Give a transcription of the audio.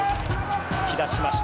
突き出しました。